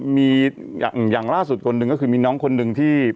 มีอย่างล่าสุดคนหนึ่งก็คือมีน้องคนหนึ่งที่